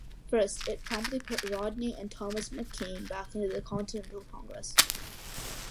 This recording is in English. First, it promptly put Rodney and Thomas McKean back into the Continental Congress.